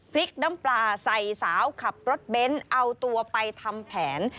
พริกน้ำปลาใส่สาวขับรถเบนท์เอาตัวไปทำแผน